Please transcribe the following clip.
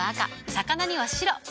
魚には白。